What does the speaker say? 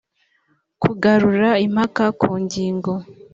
kugarura impaka ku ngingo